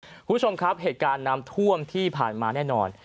คุณผู้ชมครับเหตุการณ์น้ำท่วมที่ผ่านมาแน่นอน